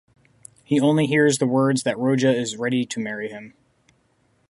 He only hears the words that Roja is ready to marry him.